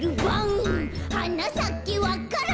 「はなさけわか蘭」